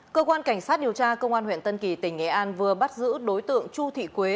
cơ quan cảnh sát điều tra công an huyện tân kỳ tỉnh nghệ an vừa bắt giữ đối tượng chu thị quế